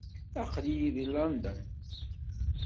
Aql-iyi deg London?